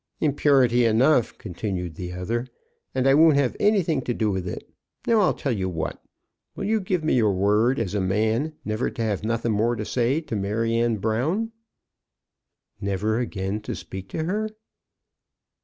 "Impurity enough," continued the other; "and I won't have anything to do with it. Now, I'll tell you what. Will you give me your word, as a man, never to have nothing more to say to Maryanne Brown?" "Never again to speak to her?"